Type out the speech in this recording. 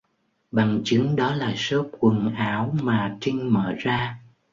Bằng chứng đó là shop quần áo mà trinhmở ra